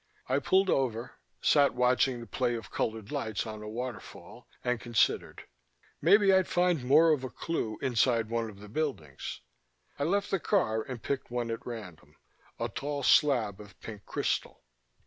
I pulled over, sat watching the play of colored lights on a waterfall, and considered. Maybe I'd find more of a clue inside one of the buildings. I left the car and picked one at random: a tall slab of pink crystal.